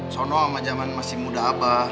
sono sama zaman masih muda abah